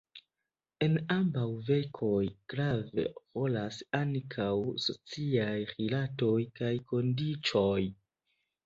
En ambaŭ verkoj grave rolas ankaŭ sociaj rilatoj kaj kondiĉoj.